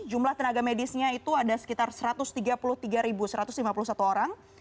jumlah tenaga medisnya itu ada sekitar satu ratus tiga puluh tiga satu ratus lima puluh satu orang